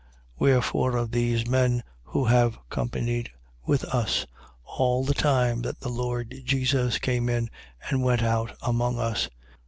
1:21. Wherefore of these men who have companied with us, all the time that the Lord Jesus came in and went out among us, 1:22.